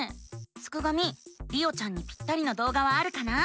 すくがミりおちゃんにぴったりな動画はあるかな？